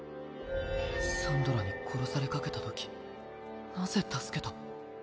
サンドラに殺されかけたときなぜ助けた？